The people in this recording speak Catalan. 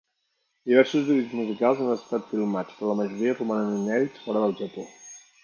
Diversos vídeos musicals han estat filmats, però la majoria romanen inèdits fora del Japó.